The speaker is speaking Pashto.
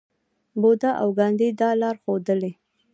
بودا او ګاندي دا لار ښودلې.